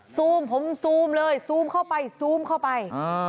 ซูมผมซูมเลยซูมเข้าไปซูมเข้าไป